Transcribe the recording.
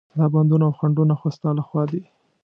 دا بندونه او خنډونه خو ستا له خوا دي.